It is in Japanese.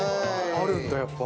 あるんだやっぱ。